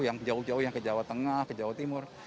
yang jauh jauh yang ke jawa tengah ke jawa timur